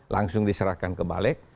langsung diserahkan ke balik